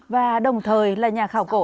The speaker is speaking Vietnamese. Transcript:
và đồng thời là nhà khảo cổ